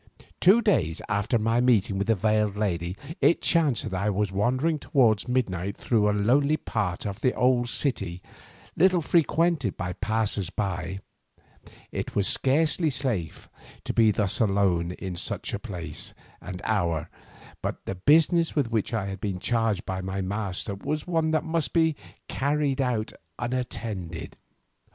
Two days after my meeting with the veiled lady it chanced that I was wandering towards midnight through a lonely part of the old city little frequented by passers by. It was scarcely safe to be thus alone in such a place and hour, but the business with which I had been charged by my master was one that must be carried out unattended.